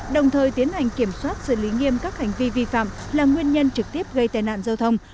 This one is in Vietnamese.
đồng thời tiến hành kiểm soát xử lý nghiêm các hành vi vi phạm là nguyên nhân trực tiếp gây tai nạn giao thông